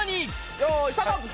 よいスタート！